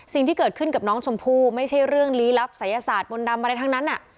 สิ่งที่เกิดขึ้นกับน้องชมพู่ไม่ใช่เรื่องลี้ลับศัยศาสตร์มนต์ดำอะไรทั้งนั้น